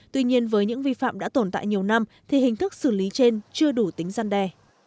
tuy nhiên với những vi phạm đã tồn tại nhiều năm thì hình thức xử lý trên chưa đủ tính gian đe